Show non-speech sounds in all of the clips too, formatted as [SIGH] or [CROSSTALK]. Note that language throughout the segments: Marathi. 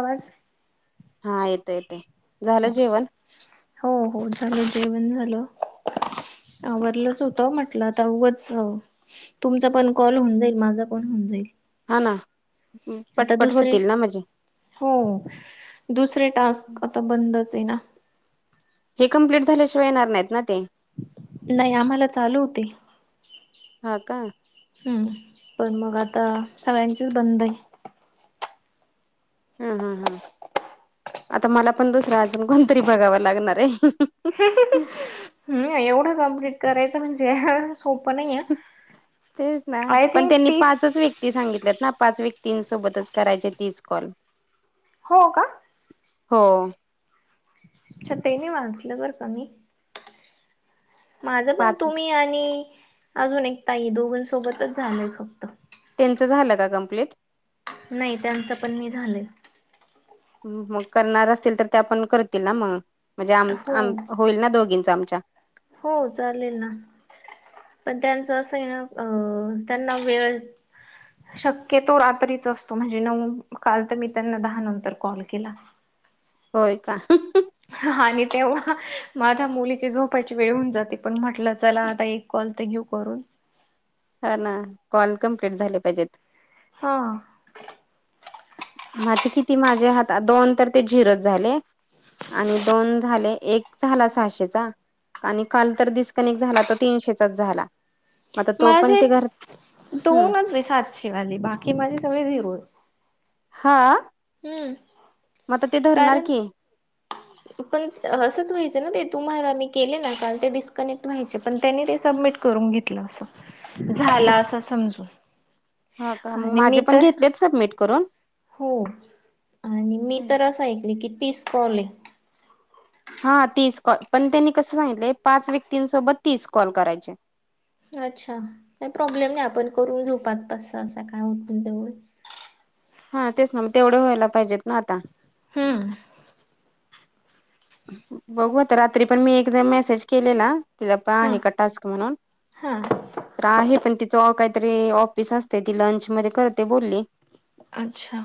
आवाज. हा येतं येते झालं जेवण. हो हो झालं जेवण झाल. आवरलंच होतं म्हटलं आता वच तुमचा पण कॉल होऊन जाईल माझा पण होऊन जाईल. हा ना. आता पटपट दुसरे होतील ना म्हणजे हो दुसरे टास्क आता बंदच आहे ना. हे कंप्लीट झाल्या शिवाय येणार नाहीत ना ते. नाही आम्हाला चालू होते. हा का हम्म पण मग आता सगळ्यांचेच बंद आहे. हम्म हम्म हम्म. आता मला पण दुसरा अजून कोणतरी बघावा लागणार आहे. हम एवढं कम्प्लीट करायचं म्हणजे सोपं नाही. तेच ना आय पण थिंक त्यांनी तीस पाच व्यक्ती सांगितल्यात ना पाच व्यक्तींसोबतच करायचे तीस कॉल. हो का. हो. अच्छा ते मी वाचलं बर का? माझं पण पाच तुम्ही आणि अजून एक ताई दोघंसोबतच झालंय फक्त. त्यांचं कम्प्लीट झालं का? नाही जायचं पण नाही झालं. त्या करत असतील तर आमच्या हो दोघींचं पण होईल ना. हो चालेल ना. त्यांचा असा आहे ना त्यांना वेळच नाही. शक्यतो रात्रीच असतो म्हणजे नऊ काल तर मी त्यांना दहा नंतर कॉल केला. होय का. [UNINTELLIGIBLE] आणि तेव्हा माझ्या मुलीची झोपायची वेळ होऊन जाते पण म्हटलं चला आता एक कॉल ते घेऊ करून. हा ना कॉल कमप्लीट झाले पाहिजेत हा. माझे तर दोन कॉल झिरो झाले. आणि दोन झाले एक झाला सहाशेचा आणि काल तर डिस्कनेक्ट झाला तो तीनशेचाच झाला. मग आता तो पण माझे ते घर सगळे झिरो माझे तर हम्म दोनच झाले बाकी सगळे झिरो झाले. हा. हम्म. म आता ते धरणार कारण की. [UNINTELLIGIBLE] पण असंच व्हायचं ना ते तुम्हाला मी केले ना कारण ते डिस्कनेक्ट व्हायचे पण त्यांनी ते सबमिट करून घेतला असं आता झाला असं समजून हा का मग आणि मी माझे त पण घेतलेत सबमिट करून हो आणि मी तर असं ऐकलं की तीस कॉल आहे. हा तीस कॉल पण त्यांनी कसं सांगितले पाच व्यक्तींसोबत तीस कॉल करायचे? अच्छा काही प्रॉब्लेम नाही आपण करून घेऊ पाच पाच सहा सहा काय होत नाही तेवढं. हा तेच ना मग तेवढं व्हायला पाहिजेत ना आता हम्म. बघू आता रात्री पण मी एकदा मेसेज केलेला की आता हा आहे का टास्क म्हणून. हा. तर आहे पण तिचं काहीतरी ऑफिस असते ती लंचमध्ये करते बोलली. अच्छा.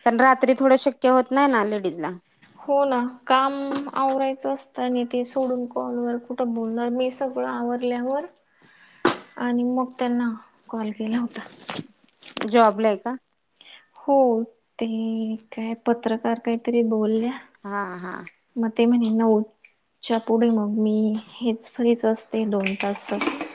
लेडीज ला कारण रात्री तेवढं शक्य होत नाही. हो ना काम आवरायचं असतं आणि ते सोडून कॉलवर कुठं बोलणार मी सगळं आवरून झाल्याच्या नंतर मी त्यांना फोन केला होता. जॉबला आहे का? हो ते काय पत्रकार काहीतरी बोलल्या. हा हा मत मणे न च्या पुढे मग मी हेच फ्रीच असते दोन तासच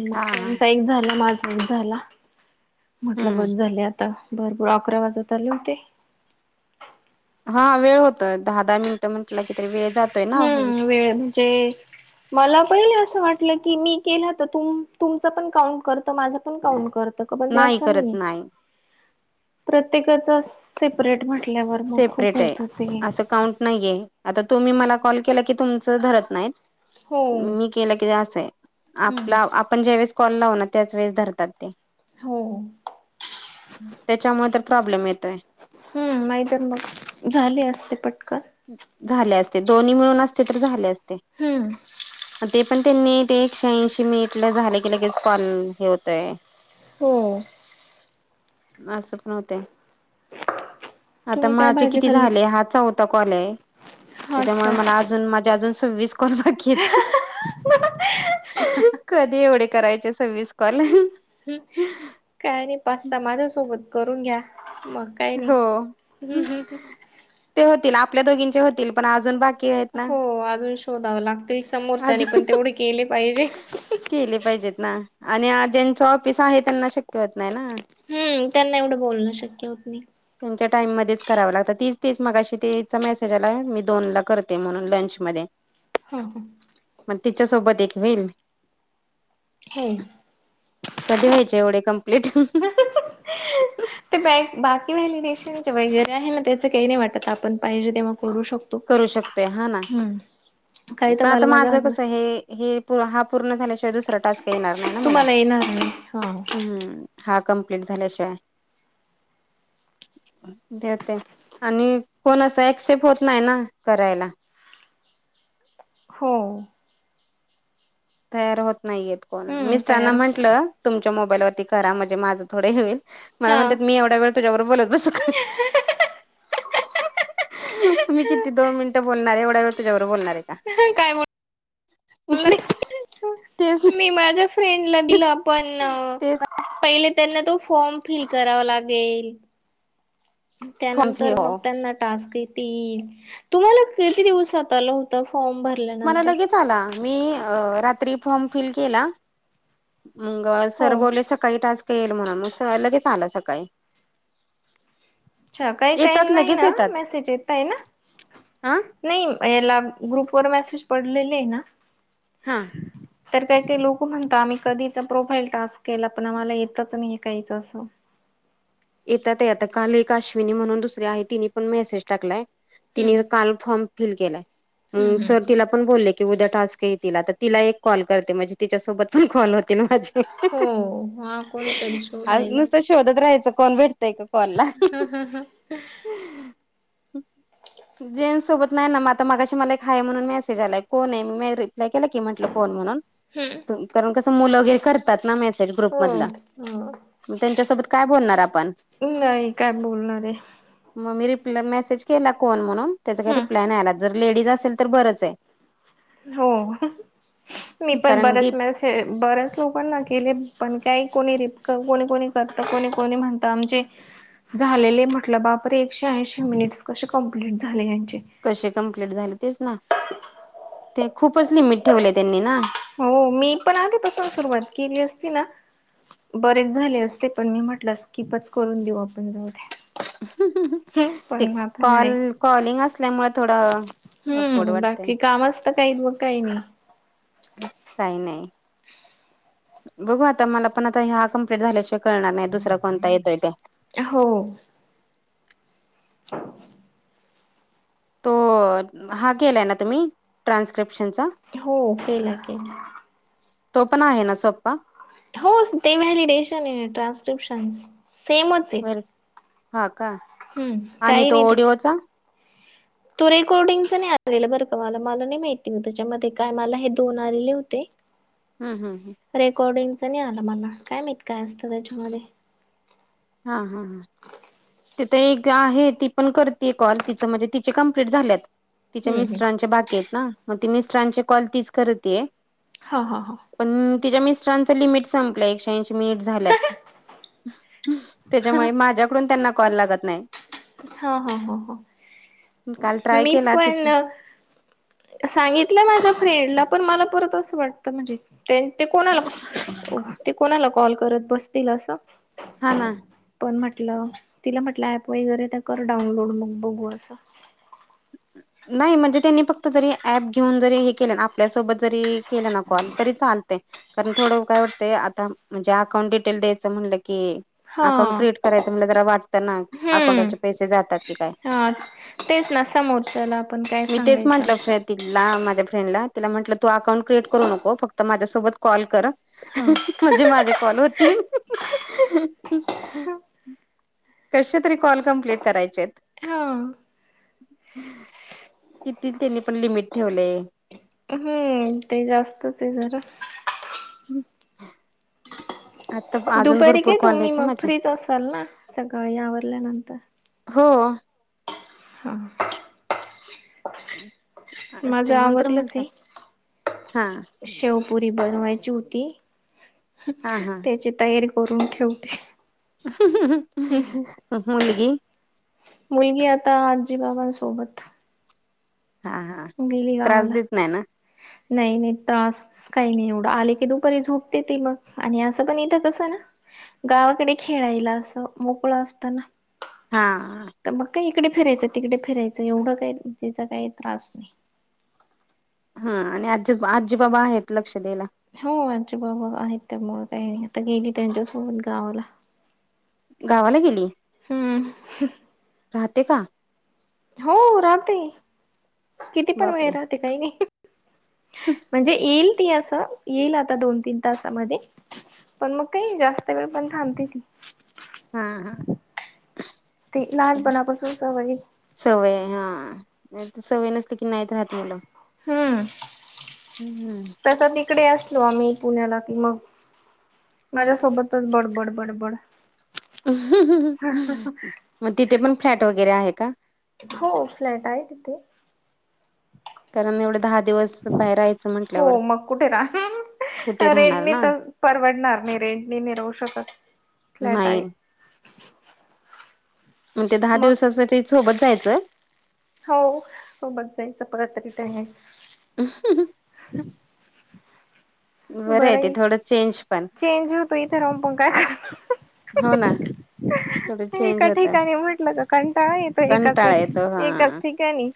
मग हा हा त्यांचा एक झाला माझा एक झाला हम्म म्हटलंबच झाल्यात आता भरपूर अकरा वाजत आले उतेे हा वेळ होत दहा दहा मिनिटं म्हटलं की तरी वेळ जातोय ना हम्म वेळ म्हणजे मला पहिले असं वाटलं की मी केलं तर तुमच पण काउंट करत माझं पण काउंट करत पण ते नाही असं करत नाहीे नाही प्रत्येकाचा सेपरेट म्हटल्यावर मग खूप होत हो ते नाहीे आता तुम्ही मला कॉल केला की तुमच धरत नाही हो मी केलं कि असंय हम्म आपला आपण ज्या वेळेस कॉल लावू ना त्याच वेळेस धरतात ते हो. त्याच्यामुळे तर प्रॉब्लेम येतय हम् नाहीतर मग झाली असते पटकन झाले असते दोन्ही मिळून असते तर झाले असते. हम्म ते पण ते मेंट एकशे ऐंशी मेंटला झालं की लगेच कॉल हे होतय हो असं पण होतय. आता तुम्ही काय माझे भाजी किती खाल्ली? झाले हा चौथा कॉल आहे. त्याच्यामुळे अच्छा मला अजून माझ्या अजून सव्वीस कॉल बाकी येत कधी एवढे करायचे सव्वीस कॉल? काय नाही पाच सहा माझ्या सोबत करून घ्या मग. काय नाही हो. हम्म हम्म. ते होतील आपल्या दोघींचे होतील पण अजून बा हो अजून शोधावं लागतील समोरच्यानी अजून पण तेवढे केले पाहिजे. केले पाहिजेत ना आणि ज्यांचा ऑफिस आहे त्यांना शक्य होत नाही ना. हम्म त्यांना एवढं बोलणं शक्य होत नाही. त्यांच्या टाइम मध्येच कराव लागतं तीच तीच मगाशी तेचा मेसेज आला मी दोन ला करते म्हणून लंचमध्ये. हा हा. मग तिच्यासोबत एक होईल. हो कधी व्हाय एवढे कंप्लीट? ते बॅक बाकी व्हॅलिडेशनचा वगैरे आहे ना त्याचं काही नाही वाटत आपण पाहिजे तेव्हा करू शक करू शकते हा ना काही तर पण आता मला माझ्या माझं कसं हसबंड हे हे हा पूर्ण झाल्याशिवाय दुसरा टास्क येणार नाही ना मला. तुम्हाला येणार नाही हा. हा कमप्लीट झाल्याशिवाय. आणि कोण असं ऍक्सेप्ट होत नाही ना करायला. हो तयार होत नाहीयेत कोण हम्म मिस्टरांना तयार म्हंटलं तुमच्या मोबाईलवरती करा म्हणजे माझं थोडे होईल मला हा म्हणतात मी एवढ्या वेळ तुझा बरोब बोलत बसू का. मी किती दोन मिनिटं बोलणार आहे एवढा वेळ तुझ्यावर बोलणार आहे का. काय बोल ते मी माझ्या फ्रेंडला दिलं आपण तेच पहिले त्यांना तो फॉर्म फील करावं लागेल फॉर्म फी त्यानंतर हो मग त्यांना टास्क ये ती तुम्हाला किती दिवसात आला होता फॉर्म भर मला लगेच आला मी रात्री फॉर्म फिल केला मंग हो. सर बोलले सकाळी टास्क येईल म्हणून मग लगेच आला सकाळी. अच्छा काही काही येतात लगेच नाहीना येतात मेसेज येत आहे ना हा नाही याला ग्रुप वर मेसेज पडलेले ना हा ह तर काही काही लोकं म्हणतात आम्ही कधीचा प्रोफाईल टास्क केला पण आम्हाला येतच नाही काहीचं असं. येतात आता काल एक अश्विनी म्हणून दुसर आहे तिने पण मेसेज टाकलाय हम्म तिने काल फॉर्म फिल केलाय मग हम्म सर हम्म तिला पण बोलले की उद्या टास्क येतील आता तिला एक कॉल करते म्हणजे तिच्या सोबत पण कॉल होते ना माझी हो हा कोणीतरी आज शोधायला नुसतं शोधत राहायचं कोण भेटतय का? हा हा हा. ह जेंट्स सोबत नाही ना मग आता मागाशी मला एक हाय म्हणून मेसेज आलाय कोण आहे मी रिप्लाय केला की म्हटलं कोण म्हणून हम्म. कारण कसं मुलं गे कर तात ना ग्रुप हो मधला त्यांच्या सोबत काय बोलणार ना आ नाही काय बोलणार आहे. मग मी रिप्लाय मेसेज केला कोन म्हणून त्याचा काही हम्म. रिप्लाय नाही आला जर लेडीज असेल तर बरंच आहे. हो मी पण कारण बरच डीप मेसे हे बऱ्याच लोकांना केले पण काही कोणी रिप्लाय कोणी कोणी करत कोणी कोणी म्हणत आमचे झालेले म्हटलं बापरे एकशे ऐंशी मिनिट्स कसे कंप्लीट झाले यांचे. कशे कंप्लीट झाले तेच ना ते खूपच लिमिट ठेवले त्यांनी ना. हो मी पण आधीपासून सुरवात केली असती ना बरेच झाले असते पण मी म्हटलं स्कीपच करून देऊ आपण जाऊ द्या. [UNINTELLIGIBLE] हम्म ते पण आता कॉल नाही कॉलिंग असल्यामुळ थोड ऑकवर्ड हम्म वाटतय. बाकी कामच काही बो काही नाही. [UNINTELLIGIBLE] काही नाही. बघू आता मला पण आता ह्या कंप्लीट झाल्याशिवाय कळणार नाही दुसरा कोणता येतोय त. हो. [INAUDIBLE] तो हा केलाय ना तुम्ही ट्रान्स्क्रिप्शनचा. हो केलाय केलाय. तो पण आहे ना सोप्पा. हो ते व्हॅलिडेशन आहे ट्रान्स्क्रिप्शन सेमच वर हा का हम्म आणि काही तो नाही त्याच ओडिओचा तू रेकॉर्डिंगच नाही आलेलं बरं का मला मला नाही माहिती म त्याच्यामध्ये काय मला हे दोन आलेले होते. [INAUDIBLE] हम्म हम्म हम्म. रेकॉर्डिंगच नाही आलं मला काय माहित काय असतं त्याच्यामध्ये. हा हा हा. तिथ एक आहे ती पण करते कॉल तिचं म्हणजे तिचे कंप्लीट झाल्यात. तिच्या हम्म हम् मिस्टरांच्या बाकी आहेत ना मग ती मिस्टरांची कॉल तीच करती ये. हा हा हा. पण तिच्या मिस्टरांच लिमिट संपलं एकश ऐंशी मिनिट झाल्यात. त्याच्यामुळे माझ्याकडून त्यांना कॉल लागत नाही. हा हा हा काल हा ट्राय मी केला ति पण सांगितलं माझ्या फ्रेंडला पण मला परत असं वाटतं म्हणजे तेन ते कोणाला ते कोणाला कॉल करत बसतील असं. हा ना. पण म्हटलं तिला म्हटलं ऍप वगैरे त कर डाउनलोड मग बघू असं. नाही म्हणजे त्यांनी फक्त जरी ऍप घेऊन जरी हे केलं ना आपल्यासोबत जरी केलं ना कॉल तरी चाल कारण थोडं काय वाटतय आता म्हणजे अकाउंट डिटेल द्यायचं म्हणलं की हा अकाउंट क्रिएट करायचं म्हणलं जरा वाटतं ना हम्म अकाउंटवरचे पैसे जातात की काय. हा तेच ना समोरच्याला आपण काय सांगायचं असं. ला माझ्या फ्रेंड ला तिला म्हंटलं तू अकाउंट क्रिएट करू नको फक्त माझ्यासोबत कॉल कर हा म्हणजे माझे कॉल होतील. [UNINTELLIGIBLE] कशे तरी कॉल कम्पलीट करायचे येत. हा किती त्यांनी पण लिमिट ठेवलेय. पण ते जास्तच हे झाल. हम्म. दुपारी काय कॉल तुम्ही आहेत ना मग माझे. फ्रीच असाल ना सकाळी आवरल्यानंतर. हो. हा. ते माझं मंत्र आवरलच म्हंटलं आहे. हा शेवपुरी बनवायची होती [UNINTELLIGIBLE] हा हा त्याची तयारी करून ठेवते. [INAUDIBLE] मुलगी. मुलगी आता आजी बाबां सोबत हा हा त्रास गावाला देत नाही ना नाही नाही त्रास काही नाही एवढं आले की दुपारी झोपते ते मग आणि असं पण येतं कसं ना गावाकडे खेळायला असं मोकळ असत ना हा तर मग काय इकडे फिरायचं तिकडे फिरायचं एवढं काही जिचा काही त्रास नाही हा आणि आजी आजी बाबा आहेत लक्ष द्यायला. हो आजी बाबा आहेत त्यामुळ कायं आता गेली त्यांच्यासोबत गावाला. गावाला गेली हे. हम्म राहते का? हो राहते किती पण वेळ बापरे राहते काही नाही म्हणजे येईल ती असं येईल आता दोन तीन तासामध्ये पण मग काही जास्त वेळ पण थांबते ती हा हा ते लाहानपणा पासुन सवय हे. सवय हा सवय नसती कि नाहीत राहत मुलं हम्म हं. तस ती तीकडे असलो आम्ही पुण्याला कि मग माझ्यासोबतच बडबड बडबड म तिथे पण फ्लॅट वगैरे आहे का? हो फ्लॅट आहे तिथे कारण एवढं दहा दिवस बाहेर यायचं. हो मग कुठे कुठे राहणार राहणार रेंटनी ना तर परवडणार नाही रेंटनी मी राहू शकत नाही नाय नाही ताई म ते दहा मग दिवसासाठी सोबत जायचं हो सोबत जायचं परत रिटन यायचं. [UNINTELLIGIBLE] ह [UNINTELLIGIBLE] आहे बरं ते हे थोडं चेंज पण चेंज होतो इथ राहुन पण काय हो ना थोडं करणार चेंज एका होतं ठिकाणी म्हटलं तर कंटाळा येतो एकाच कंटाळा एक येतो हा एकाच ठिकाणी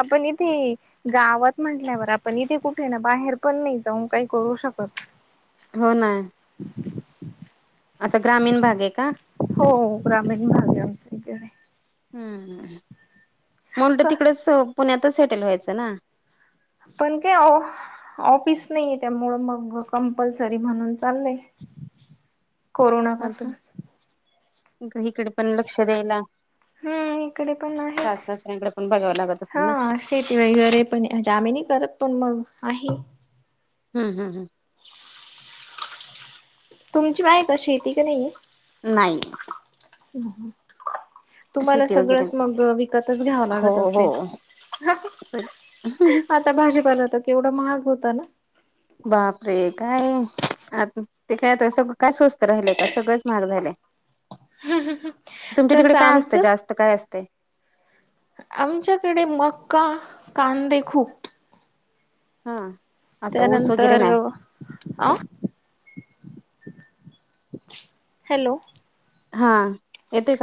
आपण इथे ये गावात म्हटल्यावर आपण इथे कुठे ना बाहेर पण नाही जाऊन काही करू शकत हो ना ह [UNINTELLIGIBLE] अस ग्रामीण भाग आहे का? हो ग्रामीण भाग आहे आमचं इकडे हम्म हम्म म उलट तिकडच पुण्यातच सेटेल व्हायचं ना पण काय ओ ऑफिस नाही ये त्यामुळं मग कंपल्सरी म्हणून चाललंय [UNINTELLIGIBLE] हा पासून तर इकडे पण लक्ष द्यायला हम्म इकडे पण आहे सास सासऱ्यांकडे पण बघावं लागत असेल हा ना शेती वगैरे पण ह्याची आम्ही नाय करत पण मग आहे हम् हम् हं तुमची हाय का शेती क नाहीे ये नाही हम् [UNINTELLIGIBLE] तुम्हाला शेती वगैरे सगळंच मग विकतच घ्यावं हो लागत हो असेल. असं त भाजीपाला तर केवढा महाग होता ना बापरे! काये अजून? ते काय आता सग काय स्वस्त राहिलंय का, सगळंच महाग झालंय. हम्म. तुमच्या तिकड काय असतं, जास्त काय असतय? आमच्याकडे मक्का, कांदे खूप. हा. असं ऊस वगैरे त्यानंतर नाही आं? हॅलो? हा. येतोय का?